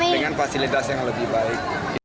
dengan fasilitas yang lebih baik